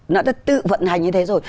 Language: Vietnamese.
nó đã tự vận hành như thế rồi